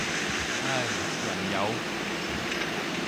唉，人有